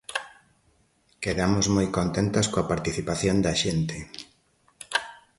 Quedamos moi contentas coa participación da xente.